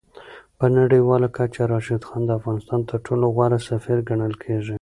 په نړیواله کچه راشد خان د افغانستان تر ټولو غوره سفیر ګڼل کېږي.